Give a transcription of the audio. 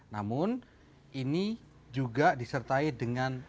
namun ini juga disertai dengan